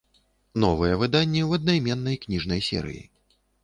Новыя выданні ў аднайменнай кніжнай серыі.